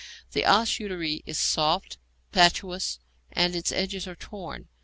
The os uteri is soft, patulous, and its edges are torn.